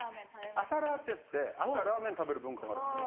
朝ラーっていって朝ラーメン食べる文化があるんですよ。